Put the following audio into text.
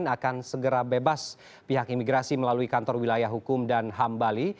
akan segera bebas pihak imigrasi melalui kantor wilayah hukum dan ham bali